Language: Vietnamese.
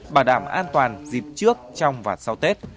bảo đảm an toàn dịp trước trong và sau tết